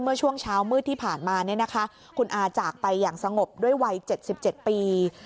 เมื่อช่วงเช้ามืดที่ผ่านมาเนี่ยนะคะคุณอาจากไปอย่างสงบด้วยวัย๗๗ปี